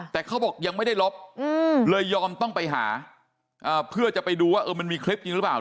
แต่เขาบอกยังไม่ได้ลบเลยยอมต้องไปหาเพื่อจะไปดูว่ามันมีคลิปจริงหรือเปล่า